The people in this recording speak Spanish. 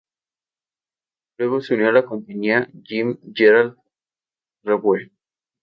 Luego se unió a la compañía Jim Gerald Revue.